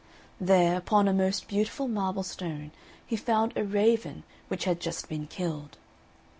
There, upon a most beautiful marble stone, he found a raven, which had just been killed.